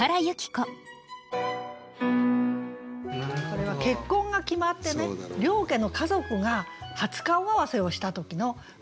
これは結婚が決まってね両家の家族が初顔合わせをした時の歌なんですね。